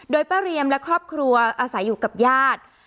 โดยป้าเรียมและครอบครัวอาศัยอยู่กับญาติ